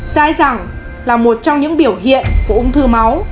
dai dẳng là một trong những biểu hiện của ung thư máu